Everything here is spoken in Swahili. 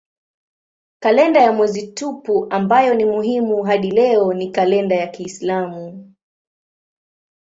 Kalenda ya mwezi tupu ambayo ni muhimu hadi leo ni kalenda ya kiislamu.